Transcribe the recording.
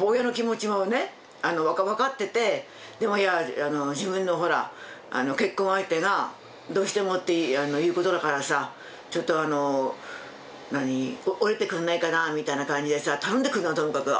親の気持ちもね分かっててでもほら自分の結婚相手がどうしてもっていうことだからさちょっと折れてくれないかなみたいな感じでさ頼んでくるならともかく